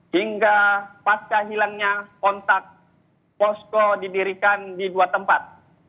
hingga pasca hilangnya kontak posko didirikan di dua tempat